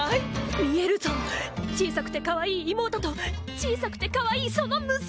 見えるぞ小さくてかわいい妹と小さくてかわいいその娘！